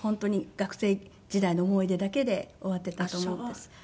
学生時代の思い出だけで終わっていたと思うんです。